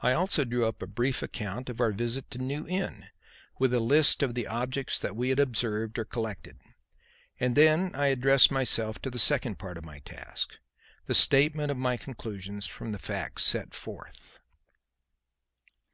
I also drew up a brief account of our visit to New Inn, with a list of the objects that we had observed or collected. And then I addressed myself to the second part of my task, the statement of my conclusions from the facts set forth.